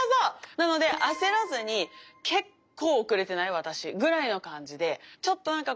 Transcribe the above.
なので焦らずに結構遅れてない私？ぐらいの感じでちょっとなんか